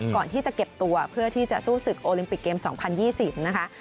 ก่อนที่จะเก็บตัวเพื่อที่จะสู้ศึกโอลิมปิกเกม๒๐๒๐นะคะ